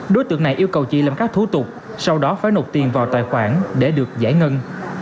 đối tượng này yêu cầu chị làm các thủ tục sau đó phải nộp tiền vào tài khoản để được giải ngân